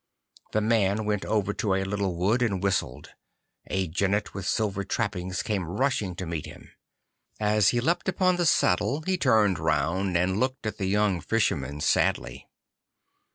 The man went over to a little wood, and whistled. A jennet with silver trappings came running to meet him. As he leapt upon the saddle he turned round, and looked at the young Fisherman sadly.